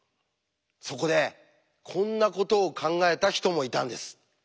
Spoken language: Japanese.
そこでこんなことを考えた人もいたんです。